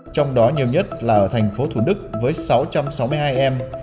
trong đó nhiều nhất là ở tp thủ đức với sáu trăm sáu mươi hai em